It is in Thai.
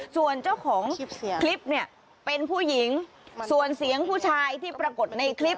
ส่วนเจ้าของคลิปเนี่ยเป็นผู้หญิงส่วนเสียงผู้ชายที่ปรากฏในคลิป